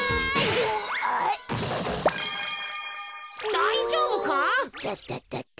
だいじょうぶか？